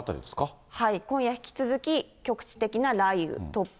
今夜引き続き、局地的な雷雨、突風、